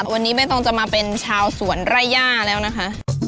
วันนี้ใบตองจะมาเป็นชาวสวนไร่ย่าแล้วนะคะ